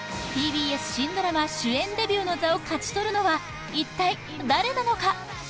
ＴＢＳ新ドラマ主演デビューの座を勝ち取るのは一体誰なのか？